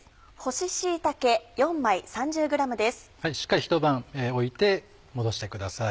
しっかりひと晩置いて戻してください。